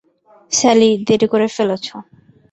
Sally, দেরি করে ফেলেছো।